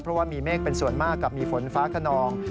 เพราะว่ามีเมฆเป็นส่วนมากกับมีฝนฟ้าขนอง